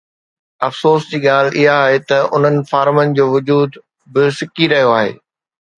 افسوس جي ڳالهه اها آهي ته انهن فارمن جو وجود به سڪي رهيو آهي.